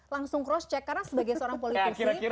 langsung cross check karena sebagai seorang politisi